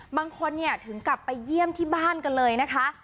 บางคนถึงกลับไปเยี่ยมที่บ้านกันเลยนะคะ